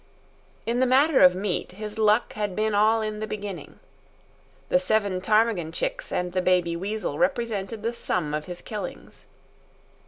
In the matter of meat, his luck had been all in the beginning. The seven ptarmigan chicks and the baby weasel represented the sum of his killings.